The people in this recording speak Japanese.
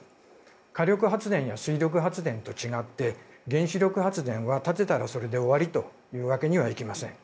火力発電所や水力発電所と違って原子力発電は建てたらそれで終わりというわけにはいきません。